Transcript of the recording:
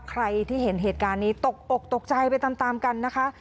ใครที่เห็นเหตุการณ์นี้ตกอกตกใจไปตามตามกันนะคะ